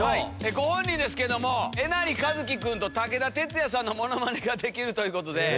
ご本人ですけどもえなりかずき君と武田鉄矢さんのモノマネができるということで。